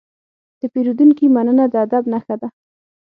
د پیرودونکي مننه د ادب نښه ده.